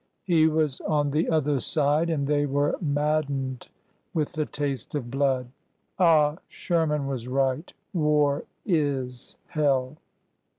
He was on the other side, and they were maddened with the taste of blood. Ah! Sherman was right. War is hell